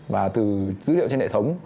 và từ dữ liệu trên hệ thống